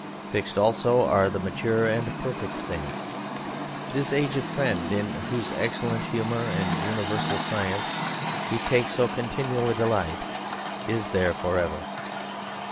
Fixed also are the mature and perfect things. This aged friend, in whose excellent humour and universal science he takes so continual a delight, is there for ever.